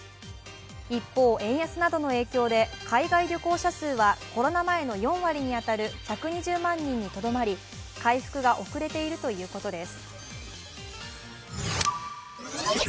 一方、円安などの影響で海外旅行者数はコロナ前の４割に当たる１２０万人にとどまり回復が遅れているということです。